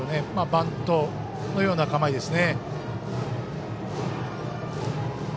バントのような構えでしたね。